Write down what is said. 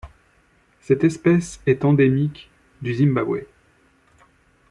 Cette espèce est endémique du Zimbabwe.